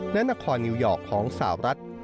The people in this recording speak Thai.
และนครนิวยอร์กของสาวรัฐ